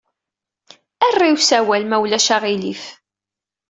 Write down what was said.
Err i usawal, ma ulac aɣilif.